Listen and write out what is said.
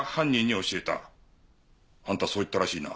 あんたそう言ったらしいな。